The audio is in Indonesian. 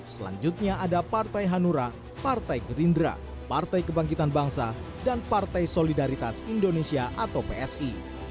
selanjutnya ada partai hanura partai gerindra partai kebangkitan bangsa dan partai solidaritas indonesia atau psi